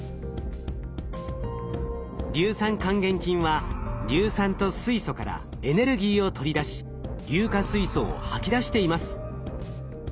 硫酸還元菌は硫酸と水素からエネルギーを取り出し硫化水素を吐き出しています。